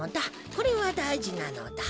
これはだいじなのだ。